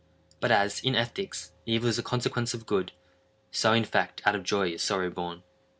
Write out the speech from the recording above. But as, in ethics, evil is a consequence of good, so, in fact, out of joy is sorrow born.